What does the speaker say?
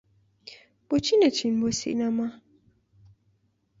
بۆچی نەچین بۆ سینەما؟